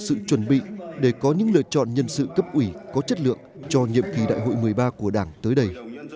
sự chuẩn bị để có những lựa chọn nhân sự cấp ủy có chất lượng cho nhiệm kỳ đại hội một mươi ba của đảng tới đây